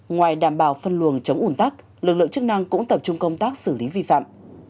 ngoài đảm bảo phân luồng chống ủn tắc lực lượng chức năng cũng tập trung công tác xử lý vi phạm